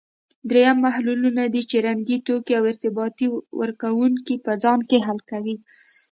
دریم محللونه دي چې رنګي توکي او ارتباط ورکوونکي په ځان کې حل کوي.